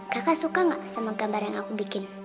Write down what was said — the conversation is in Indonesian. kakak suka gak sama gambar yang aku bikin